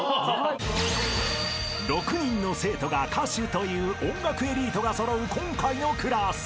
［６人の生徒が歌手という音楽エリートが揃う今回のクラス］